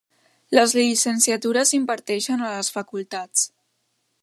Les llicenciatures s'imparteixen a les facultats.